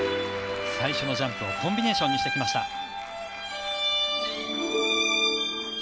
最初のジャンプをコンビネーションにしてきました。